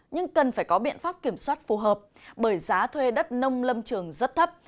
nhưng cần phải có biện pháp kiểm soát phù hợp bởi giá thuê đất nông lâm trường rất thấp